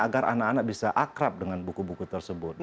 agar anak anak bisa akrab dengan buku buku tersebut